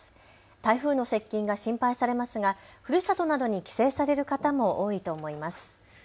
台風の接近が心配されますがふるさとなどに帰省される方も多いと思います。